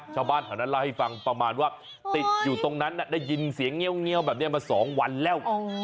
ชาวบ้านแถวนั้นเล่าให้ฟังประมาณว่าติดอยู่ตรงนั้นได้ยินเสียงเงี้ยวแบบนี้มา๒วันแล้ว